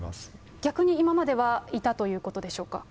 逆に今までは、いたということでしょうか。